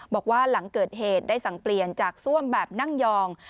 บอกว่าหลังเกิดเหตุได้สั่งเปลี่ยนจากซ่วมแบบนั่งยอง